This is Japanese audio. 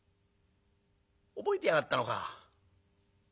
覚えてやがったのか。